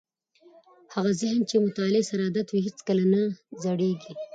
هغه ذهن چې له مطالعې سره عادت وي هیڅکله نه زړېږي.